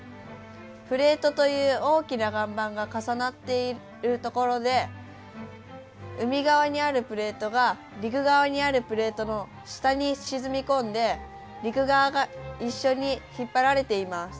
プレートという大きな岩盤が重なっているところで海側にあるプレートが陸側にあるプレートの下に沈み込んで陸側が一緒に引っ張られています。